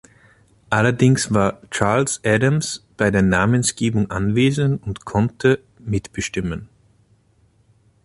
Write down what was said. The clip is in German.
Allerdings war Charles Addams bei der Namensgebung anwesend und konnte mitbestimmen.